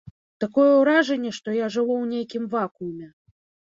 Такое ўражанне, што я жыву ў нейкім вакууме.